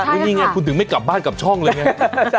นี่ไงคุณถึงไม่กลับบ้านกลับช่องเลยไง